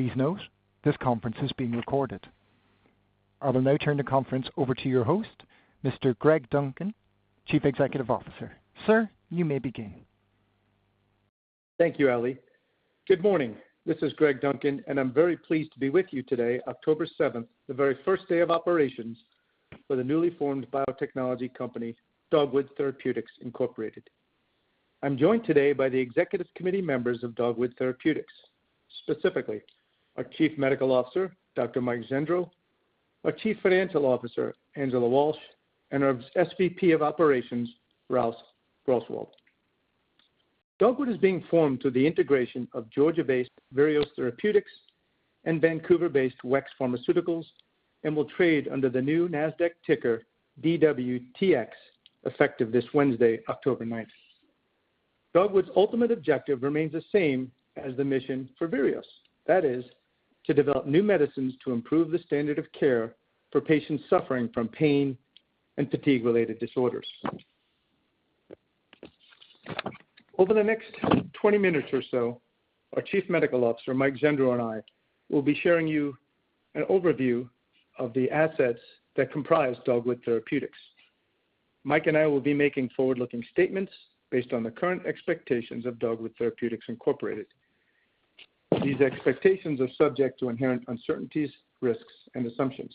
Please note, this conference is being recorded. I will now turn the conference over to your host, Mr. Greg Duncan, Chief Executive Officer. Sir, you may begin. Thank you, Ali. Good morning. This is Greg Duncan, and I'm very pleased to be with you today, October seventh, the very first day of operations for the newly formed biotechnology company, Dogwood Therapeutics, Incorporated. I'm joined today by the executive committee members of Dogwood Therapeutics, specifically our Chief Medical Officer, Dr. Mike Gendreau, our Chief Financial Officer, Angela Walsh, and our SVP of Operations, Ralph Grosswald. Dogwood is being formed through the integration of Georgia-based Virios Therapeutics and Vancouver-based WEX Pharmaceuticals, and will trade under the new NASDAQ ticker DWTX, effective this Wednesday, October ninth. Dogwood's ultimate objective remains the same as the mission for Virios. That is, to develop new medicines to improve the standard of care for patients suffering from pain and fatigue-related disorders. Over the next twenty minutes or so, our Chief Medical Officer, Dr. Mike Gendreau, and I will be sharing you an overview of the assets that comprise Dogwood Therapeutics. Dr. Mike Gendreau and I will be making forward-looking statements based on the current expectations of Dogwood Therapeutics, Incorporated. These expectations are subject to inherent uncertainties, risks, and assumptions.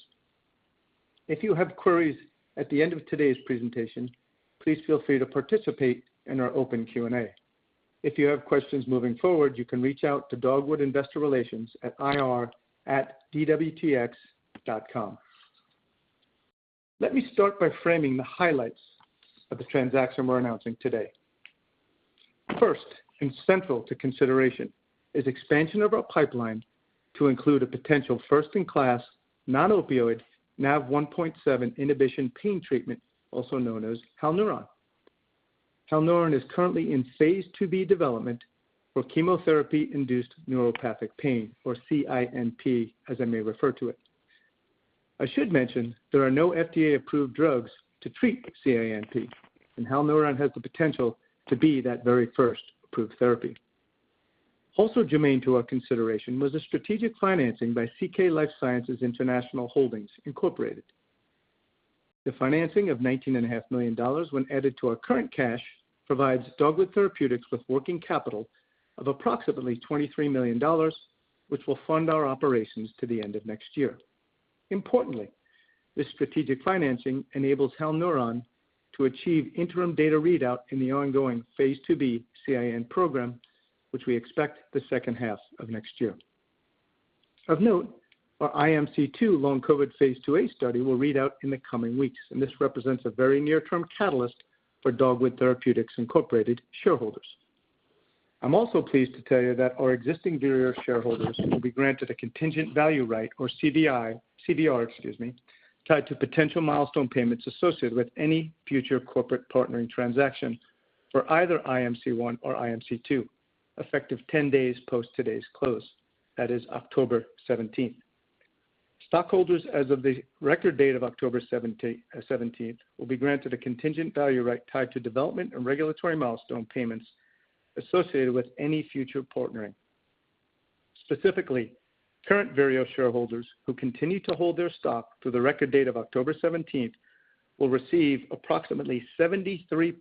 If you have queries at the end of today's presentation, please feel free to participate in our open Q&A. If you have questions moving forward, you can reach out to Dogwood Investor Relations at ir@dwtx.com. Let me start by framing the highlights of the transaction we're announcing today. First, and central to consideration, is expansion of our pipeline to include a potential first-in-class, non-opioid, NaV1.7 inhibition pain treatment, also known as Halneuron. Halneuron is currently in phase 2b development for chemotherapy-induced neuropathic pain, or CINP, as I may refer to it. I should mention there are no FDA-approved drugs to treat CINP, and Halneuron has the potential to be that very first approved therapy. Also germane to our consideration was a strategic financing by CK Life Sciences International Holdings, Incorporated. The financing of $19.5 million, when added to our current cash, provides Dogwood Therapeutics with working capital of approximately $23 million, which will fund our operations to the end of next year. Importantly, this strategic financing enables Halneuron to achieve interim data readout in the ongoing phase 2b CINP program, which we expect the second half of next year. Of note, our IMC-2 long COVID phase 2a study will read out in the coming weeks, and this represents a very near-term catalyst for Dogwood Therapeutics, Incorporated shareholders. I'm also pleased to tell you that our existing Virios shareholders will be granted a contingent value right, or CVR, excuse me, tied to potential milestone payments associated with any future corporate partnering transaction for either IMC-1 or IMC-2, effective ten days post today's close, that is October 17th. Stockholders, as of the record date of October 17th, will be granted a contingent value right tied to development and regulatory milestone payments associated with any future partnering. Specifically, current Virios shareholders who continue to hold their stock through the record date of October 17th will receive approximately 73%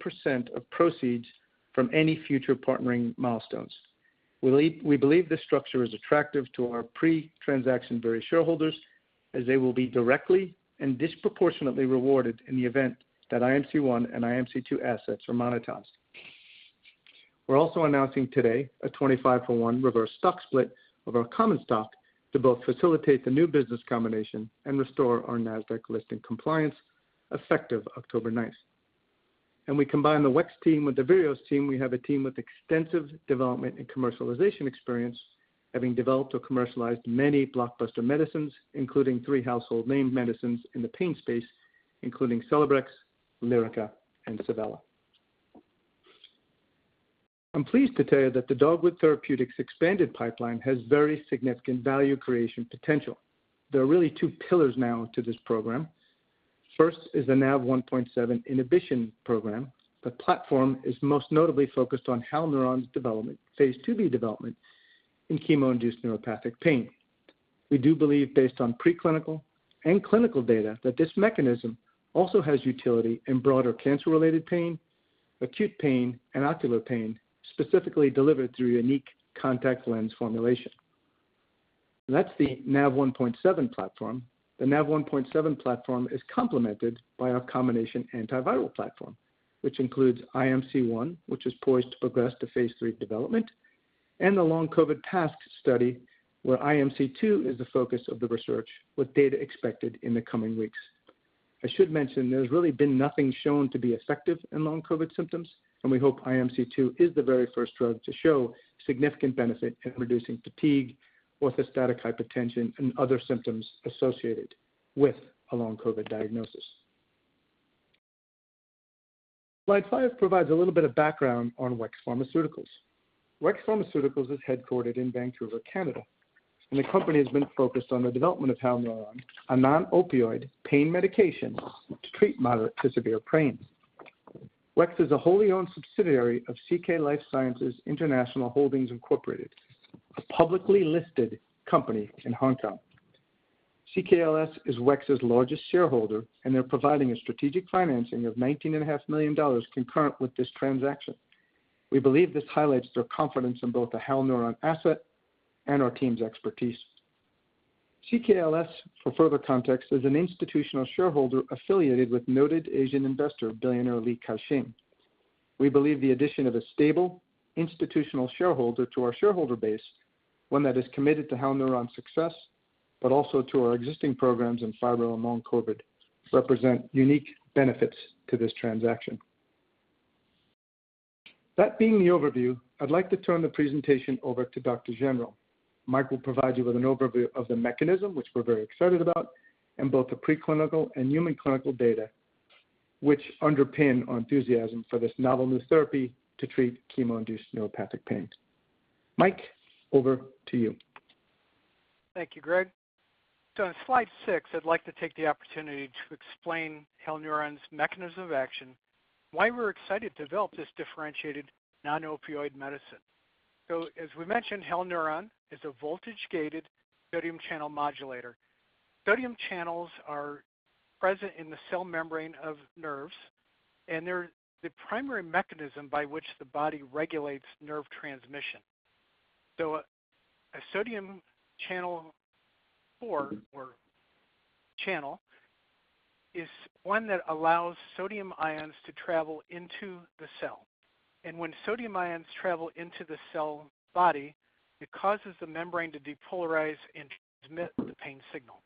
of proceeds from any future partnering milestones. We believe this structure is attractive to our pre-transaction Virios shareholders, as they will be directly and disproportionately rewarded in the event that IMC-1 and IMC-2 assets are monetized. We're also announcing today a 25-for-1 reverse stock split of our common stock to both facilitate the new business combination and restore our NASDAQ listing compliance, effective October 9th, and we combine the WEX team with the Virios team, we have a team with extensive development and commercialization experience, having developed or commercialized many blockbuster medicines, including three household name medicines in the pain space, including Celebrex, Lyrica, and Savella. I'm pleased to tell you that the Dogwood Therapeutics expanded pipeline has very significant value creation potential. There are really two pillars now to this program. First is the NaV1.7 inhibition program. The platform is most notably focused on Halneuron's development, phase 2b development in chemo-induced neuropathic pain. We do believe, based on preclinical and clinical data, that this mechanism also has utility in broader cancer-related pain, acute pain, and ocular pain, specifically delivered through a unique contact lens formulation. That's the NaV1.7 platform. The NaV1.7 platform is complemented by our combination antiviral platform, which includes IMC-1, which is poised to progress to phase 3 development, and the long COVID task study, where IMC-2 is the focus of the research, with data expected in the coming weeks. I should mention, there's really been nothing shown to be effective in long COVID symptoms, and we hope IMC-2 is the very first drug to show significant benefit in reducing fatigue, orthostatic intolerance, and other symptoms associated with a long COVID diagnosis. Slide five provides a little bit of background on WEX Pharmaceuticals. WEX Pharmaceuticals is headquartered in Vancouver, Canada, and the company has been focused on the development of Halneuron, a non-opioid pain medication to treat moderate to severe pain. WEX is a wholly owned subsidiary of CK Life Sciences International Holdings, Incorporated, a publicly listed company in Hong Kong. CKLS is WEX's largest shareholder, and they're providing a strategic financing of $19.5 million concurrent with this transaction. We believe this highlights their confidence in both the Halneuron asset and our team's expertise. CKLS, for further context, is an institutional shareholder affiliated with noted Asian investor, billionaire Li Ka-shing. We believe the addition of a stable institutional shareholder to our shareholder base, one that is committed to Halneuron success, but also to our existing programs in fibro and long COVID, represent unique benefits to this transaction. That being the overview, I'd like to turn the presentation over to Dr. Gendreau. Mike will provide you with an overview of the mechanism, which we're very excited about, and both the preclinical and human clinical data, which underpin our enthusiasm for this novel new therapy to treat chemo-induced neuropathic pain. Mike, over to you. Thank you, Greg. On slide six, I'd like to take the opportunity to explain Halneuron's mechanism of action, why we're excited to develop this differentiated non-opioid medicine. As we mentioned, Halneuron is a voltage-gated sodium channel modulator. Sodium channels are present in the cell membrane of nerves, and they're the primary mechanism by which the body regulates nerve transmission. A sodium channel pore is one that allows sodium ions to travel into the cell. And when sodium ions travel into the cell body, it causes the membrane to depolarize and transmit the pain signal.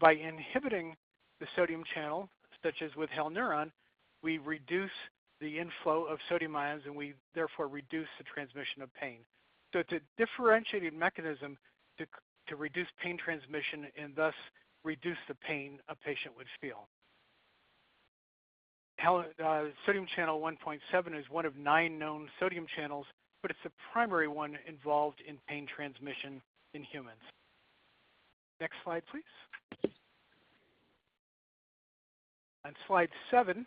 By inhibiting the sodium channel, such as with Halneuron, we reduce the inflow of sodium ions, and we therefore reduce the transmission of pain. It's a differentiating mechanism to reduce pain transmission and thus reduce the pain a patient would feel. Well, sodium channel 1.7 is one of nine known sodium channels, but it's the primary one involved in pain transmission in humans. Next slide, please. On slide seven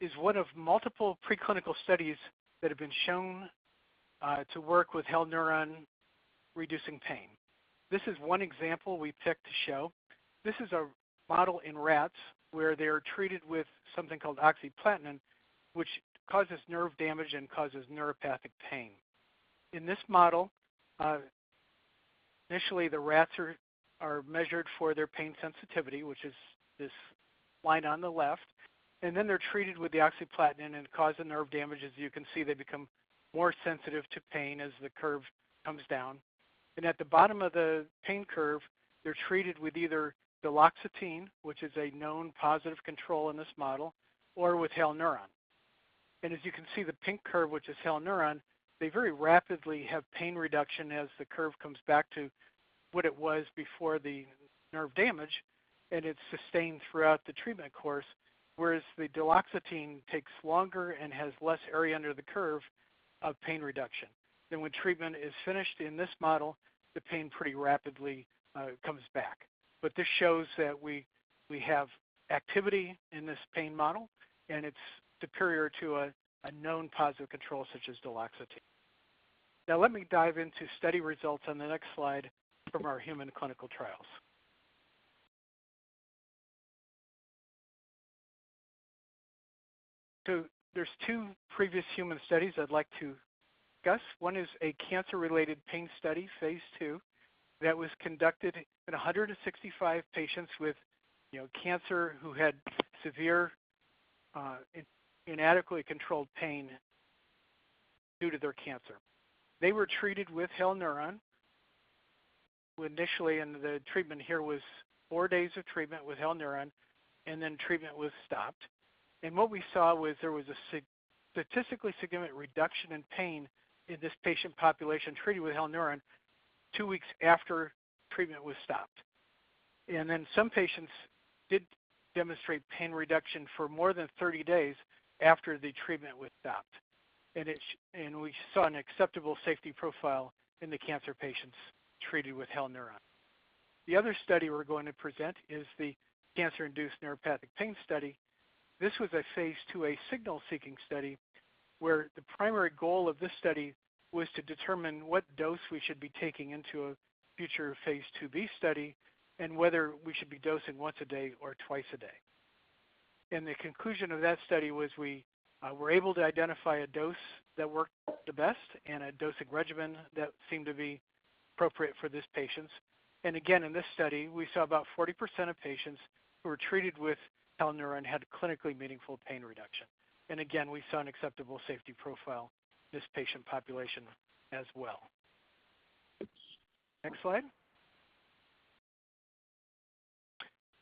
is one of multiple preclinical studies that have been shown to work with Halneuron reducing pain. This is one example we picked to show. This is a model in rats where they are treated with something called oxaliplatin, which causes nerve damage and causes neuropathic pain. In this model, initially, the rats are measured for their pain sensitivity, which is this line on the left, and then they're treated with the oxaliplatin, and it causes nerve damage. As you can see, they become more sensitive to pain as the curve comes down. At the bottom of the pain curve, they're treated with either duloxetine, which is a known positive control in this model, or with Halneuron. As you can see, the pink curve, which is Halneuron, they very rapidly have pain reduction as the curve comes back to what it was before the nerve damage, and it's sustained throughout the treatment course, whereas the duloxetine takes longer and has less area under the curve of pain reduction. Then when treatment is finished in this model, the pain pretty rapidly comes back. This shows that we have activity in this pain model, and it's superior to a known positive control, such as duloxetine. Now, let me dive into study results on the next slide from our human clinical trials. There are two previous human studies I'd like to discuss. One is a cancer-related pain study, phase 2, that was conducted in 165 patients with, you know, cancer, who had severe, inadequately controlled pain due to their cancer. They were treated with Halneuron initially, and the treatment here was four days of treatment with Halneuron, and then treatment was stopped. What we saw was there was a statistically significant reduction in pain in this patient population treated with Halneuron two weeks after treatment was stopped. Then some patients did demonstrate pain reduction for more than 30 days after the treatment was stopped. We saw an acceptable safety profile in the cancer patients treated with Halneuron. The other study we're going to present is the cancer-induced neuropathic pain study. This was a phase 2, a signal-seeking study, where the primary goal of this study was to determine what dose we should be taking into a future phase 2b study and whether we should be dosing once a day or twice a day. And the conclusion of that study was we were able to identify a dose that worked the best and a dosing regimen that seemed to be appropriate for these patients. And again, in this study, we saw about 40% of patients who were treated with Halneuron had clinically meaningful pain reduction. And again, we saw an acceptable safety profile in this patient population as well. Next slide.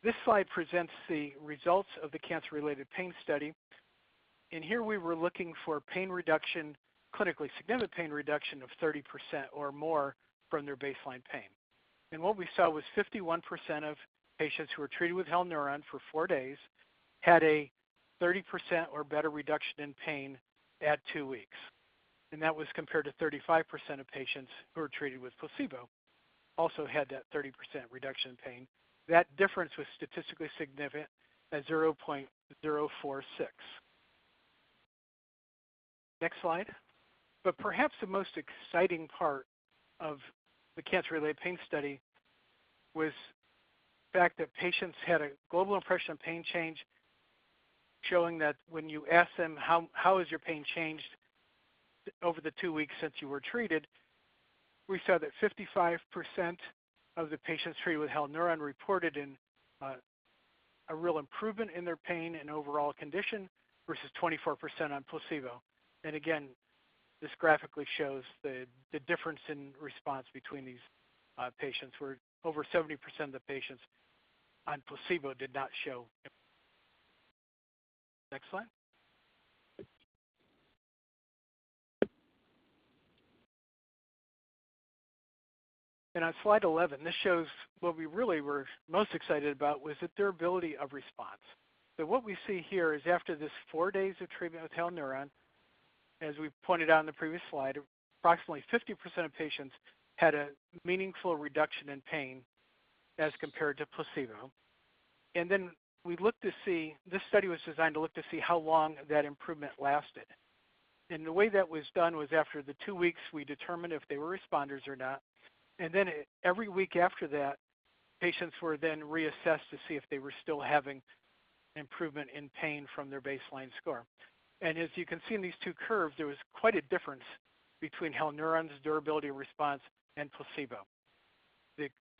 This slide presents the results of the cancer-related pain study. And here, we were looking for pain reduction, clinically significant pain reduction of 30% or more from their baseline pain. What we saw was 51% of patients who were treated with Halneuron for four days had a 30% or better reduction in pain at two weeks, and that was compared to 35% of patients who were treated with placebo, also had that 30% reduction in pain. That difference was statistically significant at 0.046. Next slide. Perhaps the most exciting part of the cancer-related pain study was the fact that patients had a global impression of pain change, showing that when you ask them, "How has your pain changed over the two weeks since you were treated?" We saw that 55% of the patients treated with Halneuron reported a real improvement in their pain and overall condition versus 24% on placebo. And again, this graphically shows the difference in response between these patients, where over 70% of the patients on placebo did not show. Next slide. And on slide eleven, this shows what we really were most excited about was the durability of response. So what we see here is after this four days of treatment with Halneuron, as we pointed out in the previous slide, approximately 50% of patients had a meaningful reduction in pain as compared to placebo. And then we looked to see. This study was designed to look to see how long that improvement lasted. And the way that was done was after the two weeks, we determined if they were responders or not, and then every week after that, patients were then reassessed to see if they were still having improvement in pain from their baseline score. As you can see in these two curves, there was quite a difference between Halneuron's durability response and placebo.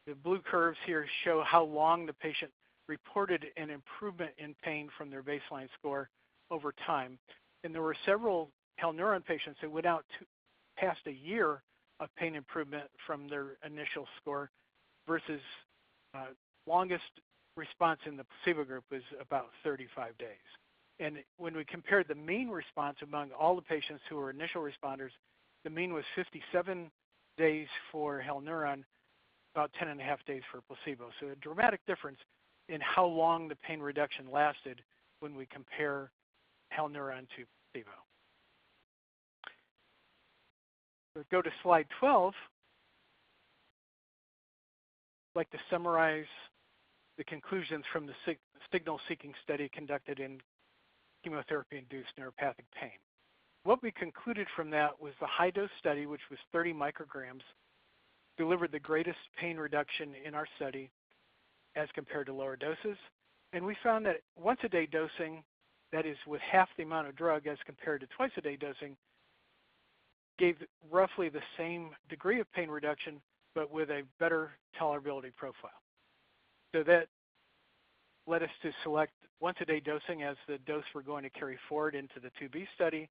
The blue curves here show how long the patient reported an improvement in pain from their baseline score over time. There were several Halneuron patients who went out to past a year of pain improvement from their initial score, versus, longest response in the placebo group was about 35 days. When we compared the mean response among all the patients who were initial responders, the mean was 57 days for Halneuron, about 10 ½ days for placebo. A dramatic difference in how long the pain reduction lasted when we compare Halneuron to placebo. If we go to slide 12, I'd like to summarize the conclusions from the signal-seeking study conducted in chemotherapy-induced neuropathic pain. What we concluded from that was the high dose study, which was 30 micrograms, delivered the greatest pain reduction in our study as compared to lower doses. And we found that once a day dosing, that is with half the amount of drug as compared to twice a day dosing, gave roughly the same degree of pain reduction, but with a better tolerability profile. So that led us to select once a day dosing as the dose we're going to carry forward into the phase 2b study.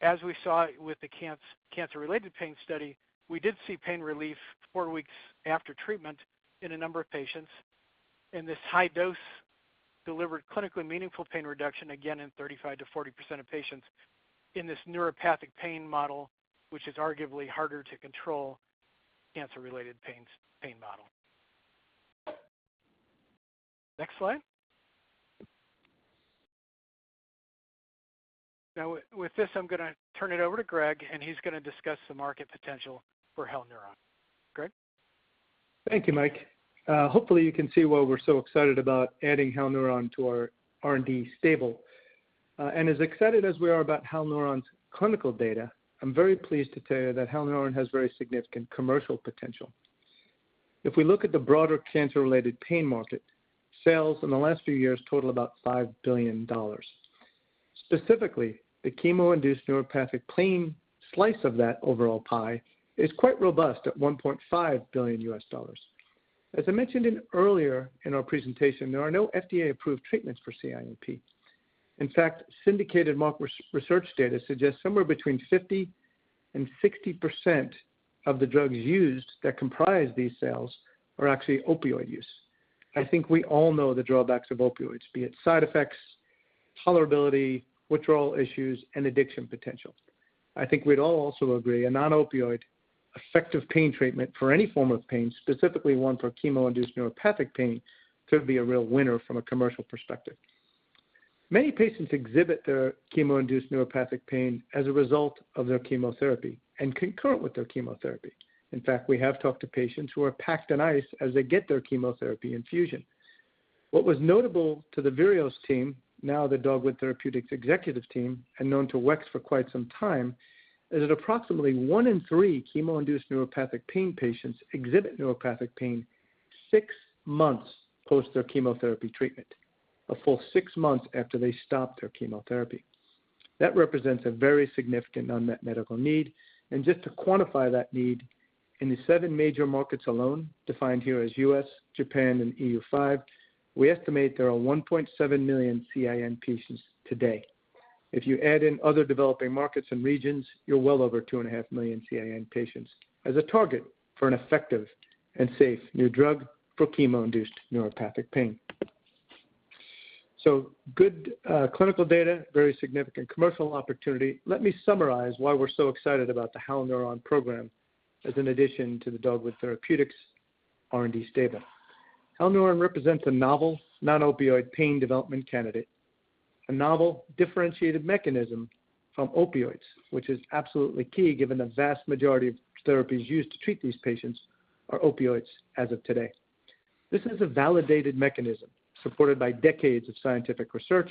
As we saw with the cancer, cancer-related pain study, we did see pain relief four weeks after treatment in a number of patients, and this high dose delivered clinically meaningful pain reduction, again, in 35%-40% of patients in this neuropathic pain model, which is arguably harder to control cancer-related pains, pain model. Next slide. Now, with this, I'm gonna turn it over to Greg, and he's gonna discuss the market potential for Halneuron. Greg? Thank you, Mike. Hopefully, you can see why we're so excited about adding Halneuron to our R&D stable. And as excited as we are about Halneuron's clinical data, I'm very pleased to tell you that Halneuron has very significant commercial potential. If we look at the broader cancer-related pain market, sales in the last few years total about $5 billion. Specifically, the chemo-induced neuropathic pain slice of that overall pie is quite robust at $1.5 billion. As I mentioned earlier in our presentation, there are no FDA-approved treatments for CINP. In fact, syndicated market research data suggests somewhere between 50% and 60% of the drugs used that comprise these sales are actually opioid use. I think we all know the drawbacks of opioids, be it side effects, tolerability, withdrawal issues, and addiction potential. I think we'd all also agree, a non-opioid, effective pain treatment for any form of pain, specifically one for chemo-induced neuropathic pain, could be a real winner from a commercial perspective. Many patients exhibit their chemo-induced neuropathic pain as a result of their chemotherapy and concurrent with their chemotherapy. In fact, we have talked to patients who are packed on ice as they get their chemotherapy infusion. What was notable to the Virios team, now the Dogwood Therapeutics executive team, and known to WEX for quite some time, is that approximately one in three chemo-induced neuropathic pain patients exhibit neuropathic pain six months post their chemotherapy treatment, a full six months after they stopped their chemotherapy. That represents a very significant unmet medical need. And just to quantify that need, in the seven major markets alone, defined here as US, Japan, and EU5, we estimate there are 1.7 million CINP patients today. If you add in other developing markets and regions, you're well over 2.5 million CINP patients as a target for an effective and safe new drug for chemo-induced neuropathic pain. So good clinical data, very significant commercial opportunity. Let me summarize why we're so excited about the Halneuron program as an addition to the Dogwood Therapeutics R&D stable. Halneuron represents a novel, non-opioid pain development candidate, a novel, differentiated mechanism from opioids, which is absolutely key, given the vast majority of therapies used to treat these patients are opioids as of today. This is a validated mechanism supported by decades of scientific research,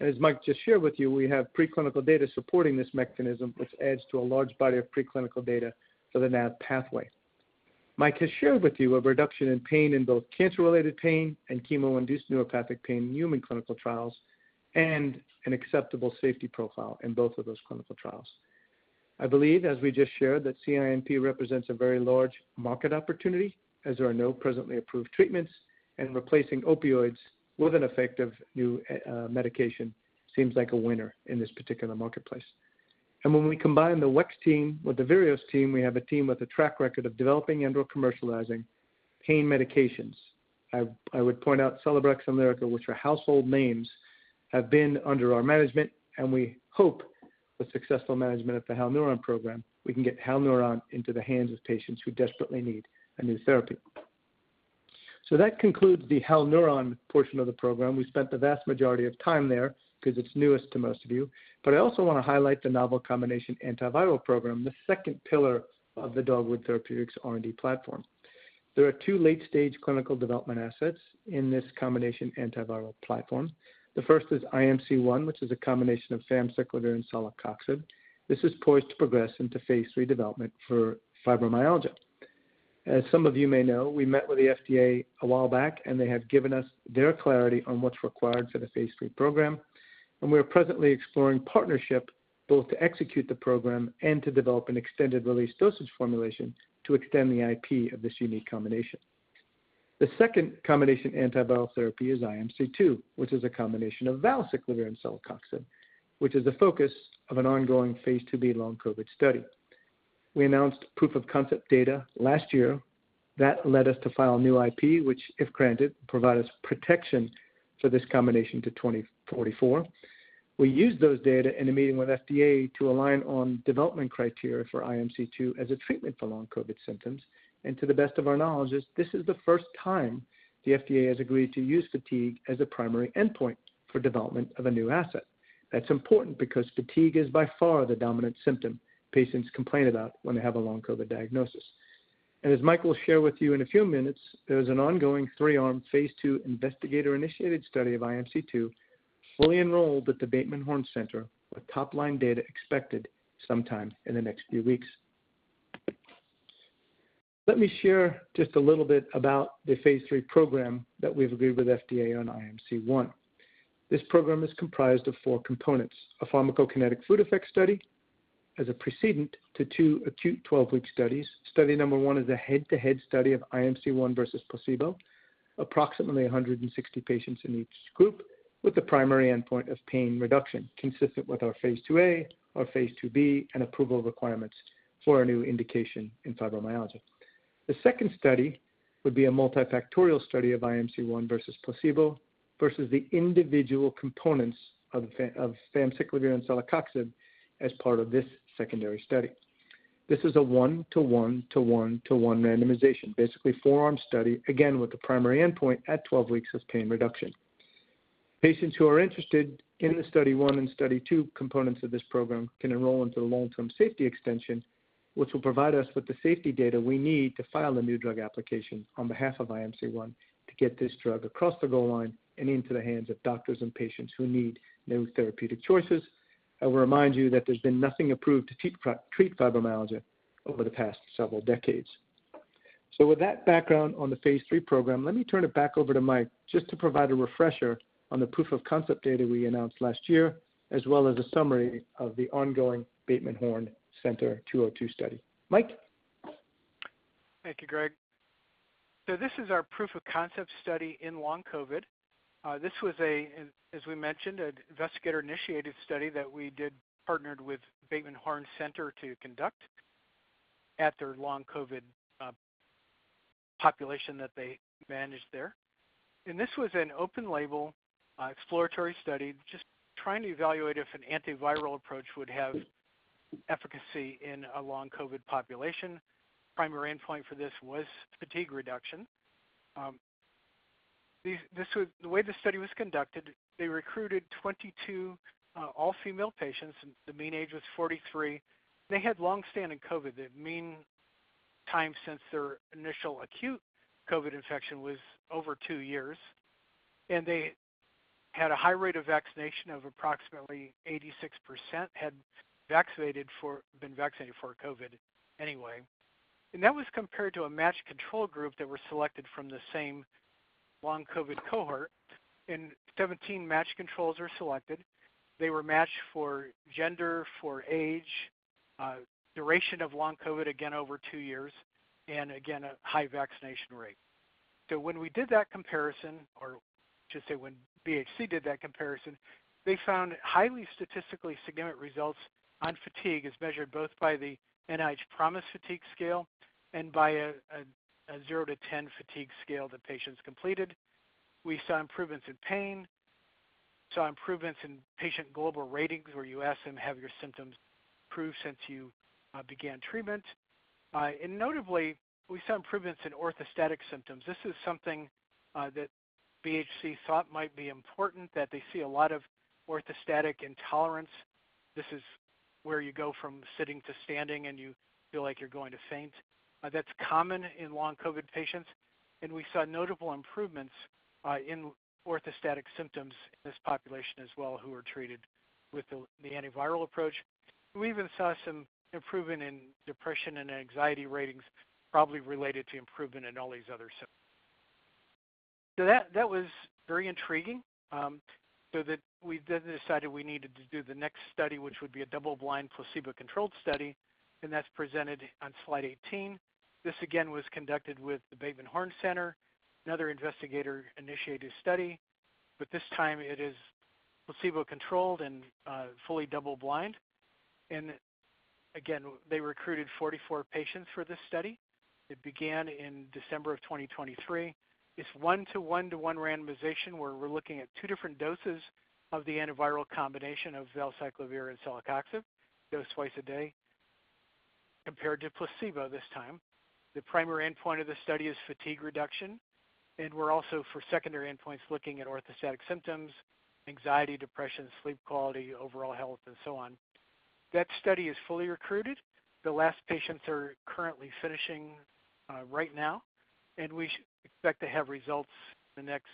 and as Mike just shared with you, we have preclinical data supporting this mechanism, which adds to a large body of preclinical data for the NaV pathway. Mike has shared with you a reduction in pain in both cancer-related pain and chemotherapy-induced neuropathic pain in human clinical trials, and an acceptable safety profile in both of those clinical trials. I believe, as we just shared, that CINP represents a very large market opportunity, as there are no presently approved treatments, and replacing opioids with an effective new medication seems like a winner in this particular marketplace. And when we combine the WEX team with the Virios team, we have a team with a track record of developing and/or commercializing pain medications. I would point out Celebrex and Lyrica, which are household names, have been under our management, and we hope with successful management of the Halneuron program, we can get Halneuron into the hands of patients who desperately need a new therapy. So that concludes the Halneuron portion of the program. We spent the vast majority of time there because it's newest to most of you. But I also want to highlight the novel combination antiviral program, the second pillar of the Dogwood Therapeutics R&D platform. There are two late-stage clinical development assets in this combination antiviral platform. The first is IMC-1, which is a combination of famciclovir and celecoxib. This is poised to progress into phase three development for fibromyalgia. As some of you may know, we met with the FDA a while back, and they have given us their clarity on what's required for the phase 3 program, and we are presently exploring partnership, both to execute the program and to develop an extended-release dosage formulation to extend the IP of this unique combination. The second combination, antiviral therapy, is IMC-2, which is a combination of valacyclovir and celecoxib, which is the focus of an ongoing phase 2b long COVID study. We announced proof of concept data last year that led us to file a new IP, which, if granted, provide us protection for this IMC-2 to 2044. We used those data in a meeting with FDA to align on development criteria for IMC-2 as a treatment for long COVID symptoms. To the best of our knowledge, this is the first time the FDA has agreed to use fatigue as a primary endpoint for development of a new asset. That's important because fatigue is by far the dominant symptom patients complain about when they have a long COVID diagnosis. As Mike will share with you in a few minutes, there is an ongoing three-arm, phase 2 investigator-initiated study of IMC-2, fully enrolled at the Bateman Horne Center, with top-line data expected sometime in the next few weeks. Let me share just a little bit about the phase 3 program that we've agreed with FDA on IMC-1. This program is comprised of four components: a pharmacokinetic food effect study as a precedent to two acute 12-week studies. Study number one is a head-to-head study of IMC-1 versus placebo. Approximately 160 patients in each group, with the primary endpoint of pain reduction, consistent with our phase 2a, our phase 2b, and approval requirements for a new indication in fibromyalgia. The second study would be a multifactorial study of IMC-1 versus placebo, versus the individual components of famciclovir and celecoxib as part of this secondary study. This is a one to one to one to one randomization, basically four-arm study, again, with the primary endpoint at twelve weeks of pain reduction. Patients who are interested in the study one and study two components of this program can enroll into the long-term safety extension, which will provide us with the safety data we need to file a new drug application on behalf of IMC-1 to get this drug across the goal line and into the hands of doctors and patients who need new therapeutic choices. I will remind you that there's been nothing approved to treat fibromyalgia over the past several decades, so with that background on the phase 3 program, let me turn it back over to Mike just to provide a refresher on the proof of concept data we announced last year, as well as a summary of the ongoing Bateman Horne Center 202 study. Mike? Thank you, Greg. This is our proof of concept study in long COVID. This was, as we mentioned, an investigator-initiated study that we did partnered with Bateman Horne Center to conduct at their long COVID population that they managed there. This was an open-label exploratory study, just trying to evaluate if an antiviral approach would have efficacy in a long COVID population. Primary endpoint for this was fatigue reduction. The way the study was conducted, they recruited 22 all-female patients. The mean age was 43. They had long-standing COVID. The mean time since their initial acute COVID infection was over two years, and they had a high rate of vaccination of approximately 86%, been vaccinated for COVID anyway. That was compared to a matched control group that were selected from the same long COVID cohort, and 17 matched controls were selected. They were matched for gender, for age, duration of long COVID, again, over two years, and again, a high vaccination rate. When we did that comparison, or I should say, when BHC did that comparison, they found highly statistically significant results on fatigue, as measured both by the NIH PROMIS Fatigue Scale and by a 0-10 fatigue scale the patients completed. We saw improvements in pain. We saw improvements in patient global ratings, where you ask them, have your symptoms improved since you began treatment? And notably, we saw improvements in orthostatic symptoms. This is something that BHC thought might be important, that they see a lot of orthostatic intolerance. This is where you go from sitting to standing, and you feel like you're going to faint. That's common in long COVID patients, and we saw notable improvements in orthostatic symptoms in this population as well, who were treated with the antiviral approach. We even saw some improvement in depression and anxiety ratings, probably related to improvement in all these other symptoms. So that, that was very intriguing, so that we then decided we needed to do the next study, which would be a double-blind, placebo-controlled study, and that's presented on slide 18. This again was conducted with the Bateman Horne Center, another investigator-initiated study, but this time it is placebo-controlled and fully double-blind. And again, they recruited 44 patients for this study. It began in December of 2023. It's one-to-one-to-one randomization, where we're looking at two different doses of the antiviral combination of valacyclovir and celecoxib, dosed twice a day, compared to placebo this time. The primary endpoint of the study is fatigue reduction, and we're also, for secondary endpoints, looking at orthostatic symptoms, anxiety, depression, sleep quality, overall health, and so on. That study is fully recruited. The last patients are currently finishing right now, and we expect to have results in the next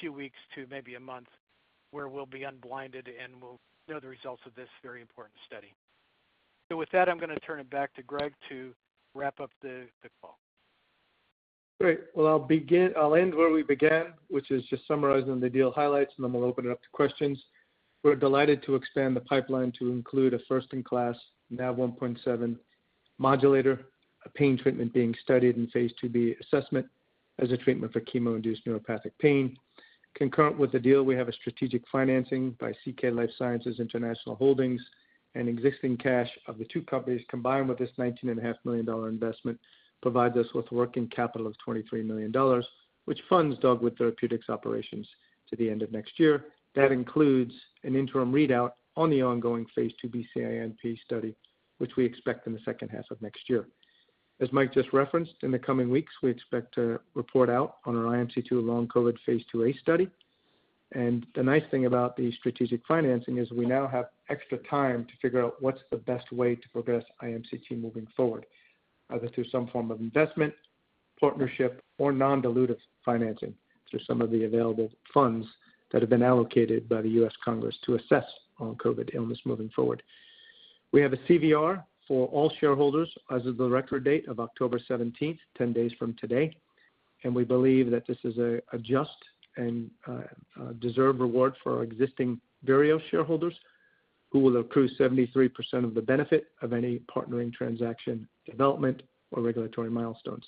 few weeks to maybe a month, where we'll be unblinded, and we'll know the results of this very important study. So with that, I'm gonna turn it back to Greg to wrap up the call. Great. Well, I'll end where we began, which is just summarizing the deal highlights, and then we'll open it up to questions. We're delighted to expand the pipeline to include a first-in-class NaV1.7 modulator, a pain treatment being studied in phase IIb assessment as a treatment for chemo-induced neuropathic pain. Concurrent with the deal, we have a strategic financing by CK Life Sciences International Holdings, and existing cash of the two companies, combined with this $19.5 million investment, provides us with working capital of $23 million, which funds Dogwood Therapeutics operations to the end of next year. That includes an interim readout on the ongoing phase IIb CINP study, which we expect in the second half of next year. As Mike just referenced, in the coming weeks, we expect to report out on our IMC-2 long COVID phase IIa study. The nice thing about the strategic financing is we now have extra time to figure out what's the best way to progress IMC-1 moving forward, either through some form of investment, partnership, or non-dilutive financing, through some of the available funds that have been allocated by the U.S. Congress to assess on COVID illness moving forward. We have a CVR for all shareholders as of the record date of October seventeenth, ten days from today, and we believe that this is a just and a deserved reward for our existing Virios shareholders, who will accrue 73% of the benefit of any partnering transaction, development, or regulatory milestones.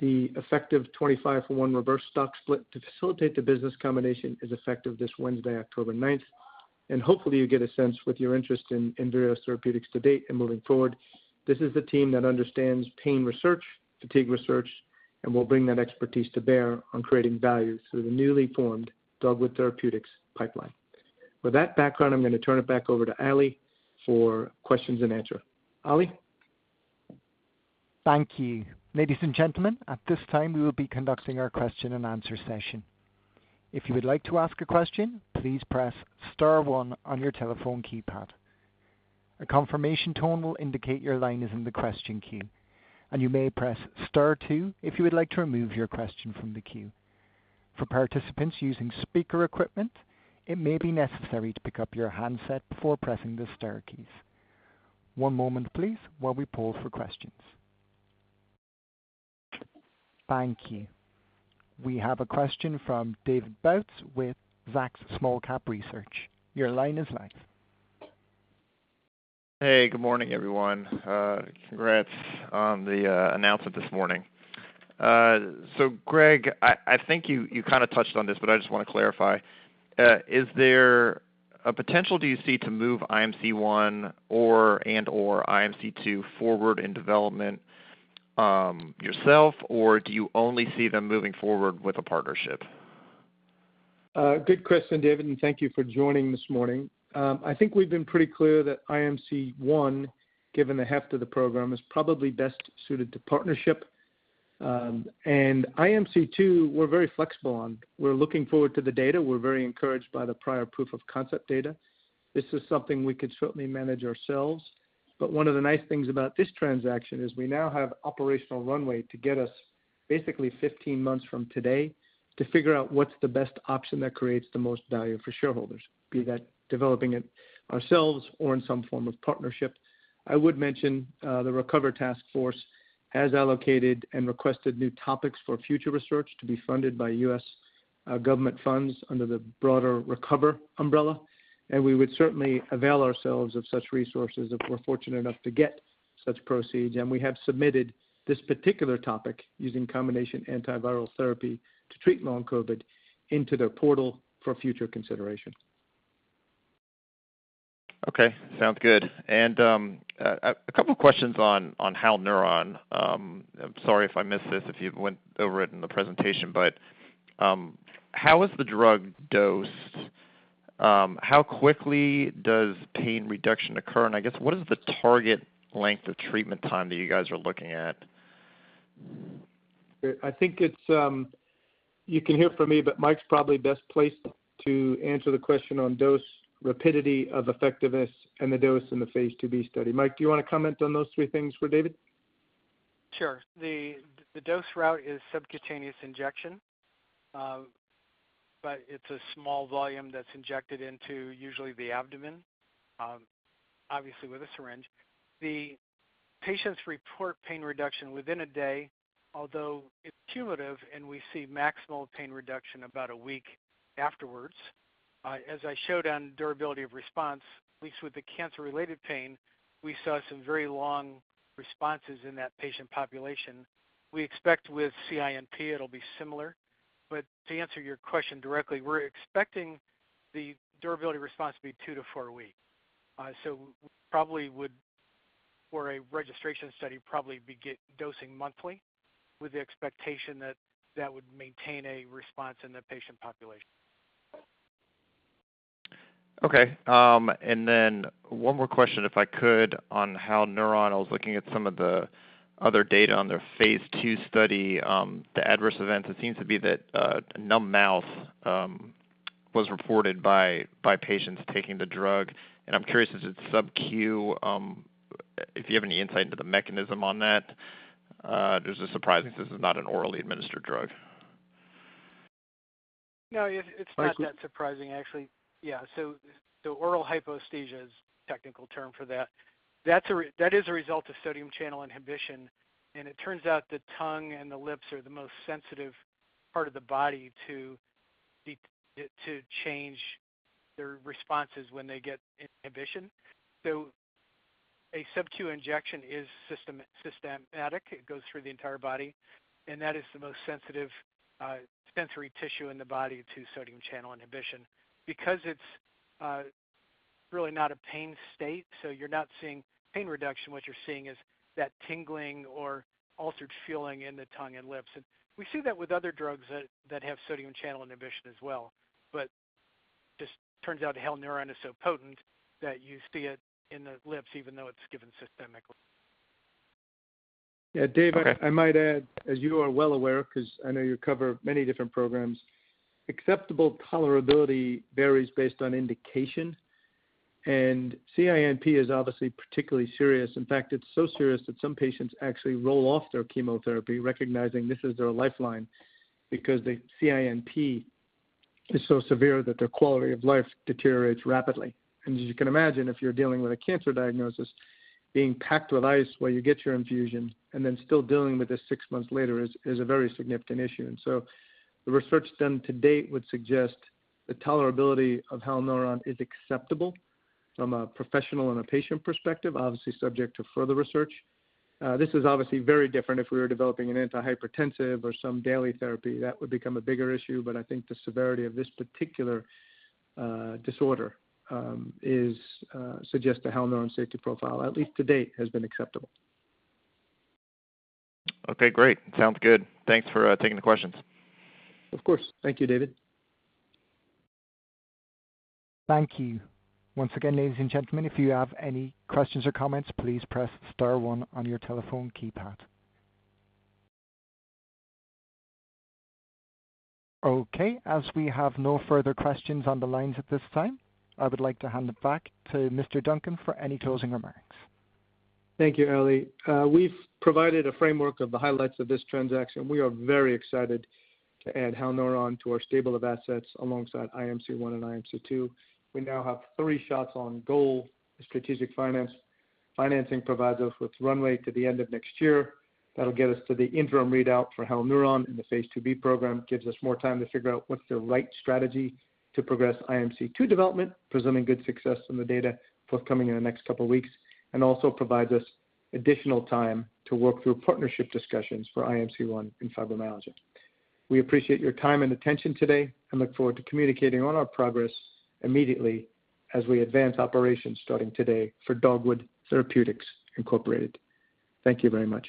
The effective 25-for-1 reverse stock split to facilitate the business combination is effective this Wednesday, October ninth, and hopefully you get a sense with your interest in Virios Therapeutics to date and moving forward. This is the team that understands pain research, fatigue research, and will bring that expertise to bear on creating value through the newly formed Dogwood Therapeutics pipeline. With that background, I'm going to turn it back over to Ali for questions and answer. Ali? Thank you. Ladies and gentlemen, at this time, we will be conducting our question-and-answer session. If you would like to ask a question, please press star one on your telephone keypad. A confirmation tone will indicate your line is in the question queue, and you may press star two if you would like to remove your question from the queue. For participants using speaker equipment, it may be necessary to pick up your handset before pressing the star keys. One moment please, while we poll for questions. Thank you. We have a question from David Bautz with Zacks Small Cap Research. Your line is live. Hey, good morning, everyone. Congrats on the announcement this morning. So Greg, I think you kind of touched on this, but I just want to clarify. Is there a potential do you see to move IMC-1 or IMC-2 forward in development, yourself, or do you only see them moving forward with a partnership? Good question, David, and thank you for joining this morning. I think we've been pretty clear that IMC-1, given the heft of the program, is probably best suited to partnership, and IMC-2, we're very flexible on. We're looking forward to the data. We're very encouraged by the prior proof of concept data. This is something we could certainly manage ourselves, but one of the nice things about this transaction is we now have operational runway to get us basically 15 months from today to figure out what's the best option that creates the most value for shareholders, be that developing it ourselves or in some form of partnership. I would mention, the RECOVER task force has allocated and requested new topics for future research to be funded by U.S. government funds under the broader RECOVER umbrella, and we would certainly avail ourselves of such resources if we're fortunate enough to get such proceeds. And we have submitted this particular topic, using combination antiviral therapy to treat long COVID, into their portal for future consideration. Okay, sounds good, and a couple questions on Halneuron. I'm sorry if I missed this, if you went over it in the presentation, but how is the drug dosed? How quickly does pain reduction occur? And I guess, what is the target length of treatment time that you guys are looking at? I think it's, you can hear from me, but Mike's probably best placed to answer the question on dose rapidity of effectiveness and the dose in the phase 2b study. Mike, do you wanna comment on those three things for David? Sure. The dose route is subcutaneous injection, but it's a small volume that's injected into usually the abdomen, obviously, with a syringe. The patients report pain reduction within a day, although it's cumulative, and we see maximal pain reduction about a week afterward. As I showed on durability of response, at least with the cancer-related pain, we saw some very long responses in that patient population. We expect with CINP, it'll be similar. But to answer your question directly, we're expecting the durability response to be two to four weeks. So probably would, for a registration study, probably be get dosing monthly, with the expectation that that would maintain a response in the patient population. Okay. And then one more question, if I could, on Halneuron. I was looking at some of the other data on their phase two study, the adverse events. It seems to be that, numb mouth, was reported by patients taking the drug, and I'm curious, is it sub-Q, if you have any insight into the mechanism on that, there's a surprise since this is not an orally administered drug. No, it's not that surprising, actually. Yeah, so oral hyposthesia is technical term for that. That is a result of sodium channel inhibition, and it turns out the tongue and the lips are the most sensitive part of the body to change their responses when they get inhibition. So a sub-Q injection is systematic. It goes through the entire body, and that is the most sensitive sensory tissue in the body to sodium channel inhibition. Because it's really not a pain state, so you're not seeing pain reduction. What you're seeing is that tingling or altered feeling in the tongue and lips, and we see that with other drugs that have sodium channel inhibition as well, but just turns out the Halneuron is so potent that you see it in the lips, even though it's given systemically. Yeah, Dave I might add, as you are well aware, 'cause I know you cover many different programs, acceptable tolerability varies based on indication, and CINP is obviously particularly serious. In fact, it's so serious that some patients actually roll off their chemotherapy, recognizing this is their lifeline, because the CINP is so severe that their quality of life deteriorates rapidly. And as you can imagine, if you're dealing with a cancer diagnosis, being packed with ice while you get your infusion and then still dealing with this six months later is a very significant issue. And so the research done to date would suggest the tolerability of Halneuron is acceptable from a professional and a patient perspective, obviously subject to further research. This is obviously very different if we were developing an antihypertensive or some daily therapy. That would become a bigger issue, but I think the severity of this particular disorder suggests the Halneuron safety profile, at least to date, has been acceptable. Okay, great. Sounds good. Thanks for taking the questions. Of course. Thank you, David. Thank you. Once again, ladies and gentlemen, if you have any questions or comments, please press star one on your telephone keypad. Okay, as we have no further questions on the lines at this time, I would like to hand it back to Mr. Duncan for any closing remarks. Thank you, Ali. We've provided a framework of the highlights of this transaction. We are very excited to add Halneuron to our stable of assets alongside IMC-1 and IMC-2. We now have three shots on goal. Strategic financing provides us with runway to the end of next year. That'll get us to the interim readout for Halneuron, and the phase 2b program gives us more time to figure out what's the right strategy to progress IMC-2 development, presuming good success in the data forthcoming in the next couple weeks, and also provides us additional time to work through partnership discussions for IMC-1 and fibromyalgia. We appreciate your time and attention today and look forward to communicating on our progress immediately as we advance operations starting today for Dogwood Therapeutics Incorporated. Thank you very much.